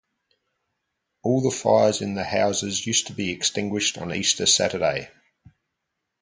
All the fires in the houses used to be extinguished on Easter Saturday.